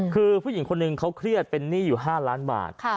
คือผู้หญิงคนหนึ่งเขาเครียดเป็นหนี้อยู่๕ล้านบาท